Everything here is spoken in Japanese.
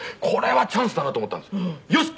これはチャンスだなと思ったんですよ。